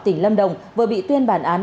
tỉnh lâm đồng vừa bị tuyên bản án